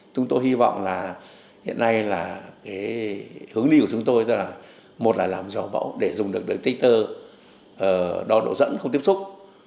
chúng tôi hy vọng hiện nay hướng đi của chúng tôi là một là làm dầu mẫu để dùng được đời tích tơ đo độ dẫn không tiếp xúc